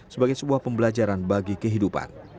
sebagai sebuah pembelajaran bagi kehidupan